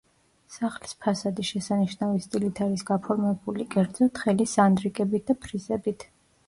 სახლის ფასადი შესანიშნავი სტილით არის გაფორმებული კერძოდ, თხელი სანდრიკებით და ფრიზებით.